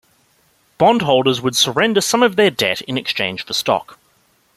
Bondholders would surrender some of their debt in exchange for stock.